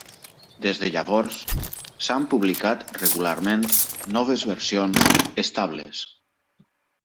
Des de llavors, s'han publicat regularment noves versions estables.